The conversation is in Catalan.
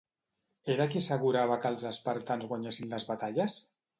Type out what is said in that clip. Era qui assegurava que els espartans guanyessin les batalles?